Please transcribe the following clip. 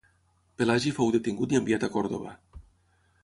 Pelagi fou detingut i enviat a Còrdova.